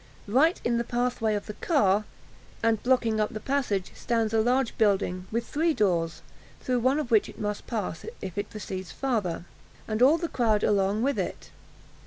Right in the pathway of the car, and blocking up the passage, stands a large building, with three doors, through one of which it must pass, if it proceeds farther, and all the crowd along with it.